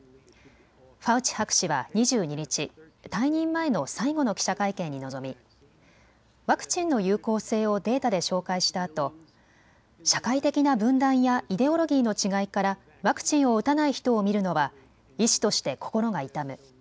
ファウチ博士は２２日、退任前の最後の記者会見に臨み、ワクチンの有効性をデータで紹介したあと社会的な分断やイデオロギーの違いからワクチンを打たない人を見るのは医師として心が痛む。